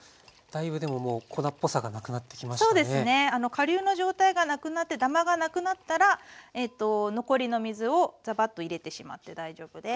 かりゅうの状態がなくなってダマがなくなったら残りの水をザバッと入れてしまって大丈夫です。